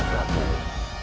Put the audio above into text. aku sudah menurutmu